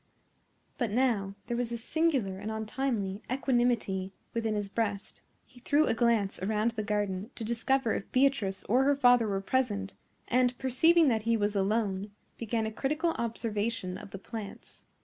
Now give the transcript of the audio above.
But now there was a singular and untimely equanimity within his breast. He threw a glance around the garden to discover if Beatrice or her father were present, and, perceiving that he was alone, began a critical observation of the plants.